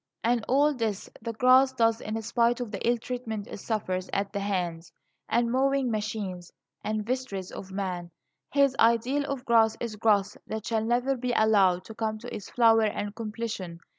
And all this the grass does in spite of the ill treatment it suffers at the hands, and mowing machines, and vestries of man. His ideal of grass is growth that shall never be allowed to come to its flower and completion.